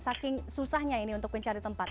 saking susahnya ini untuk mencari tempat